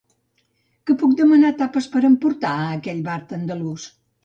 Que puc demanar tapes per emportar a aquell bar andalús?